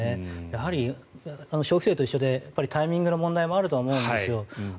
やはり、消費税と一緒でタイミングの問題があるとは思うんです。